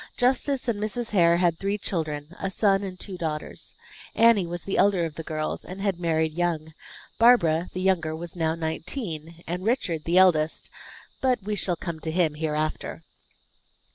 Justice and Mrs. Hare had three children, a son and two daughters. Anne was the elder of the girls, and had married young; Barbara, the younger was now nineteen, and Richard the eldest but we shall come to him hereafter.